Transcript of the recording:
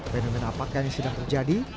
fenomen apakah yang sedang terjadi